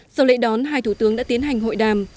sau lễ đón hai thủ tướng đã tiến hành hội đàm